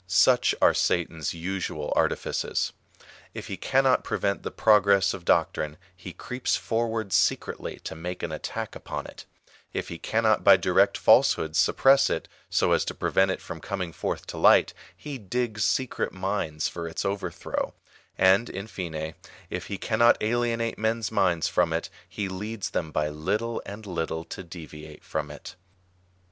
Such are Satan's usual artifices. If he cannot prevent the progress of doctrine, he creeps forward secretly to make an attack upon it : if he cannot by direct falsehoods suppress it, so as to prevent it from coming forth to light, he digs secret mines for its overthrow ; and in fine, if he cannot alienate men's minds from it, he leads them by little and little to deviate from it.